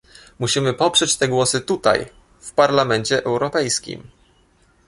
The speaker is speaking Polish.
Musimy poprzeć te głosy tutaj, w Parlamencie Europejskim